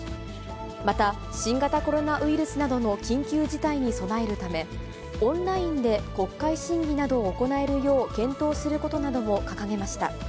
また、新型コロナウイルスなどの緊急事態に備えるため、オンラインで国会審議などを行えるよう検討することなどを掲げました。